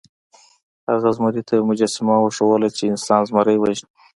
هغه زمري ته یوه مجسمه وښودله چې انسان زمری وژني.